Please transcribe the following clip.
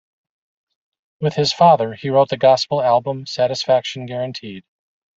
With his father, he wrote the gospel album "Satisfaction Guaranteed".